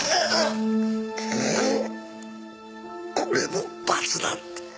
これも罰なんだ。